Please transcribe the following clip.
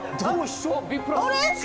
あれ？